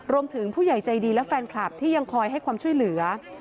ผู้ใหญ่ใจดีและแฟนคลับที่ยังคอยให้ความช่วยเหลือ